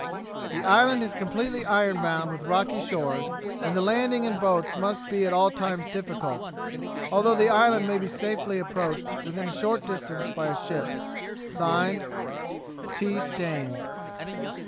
'The island is completely iron bound with rocky shores, and the landing in boats must be at all times difficult, although the island may be safely approached within a short distance by a ship. (Signed) T. STAINES.'